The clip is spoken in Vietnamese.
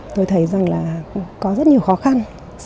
tôi thấy rằng là có rất nhiều khó khăn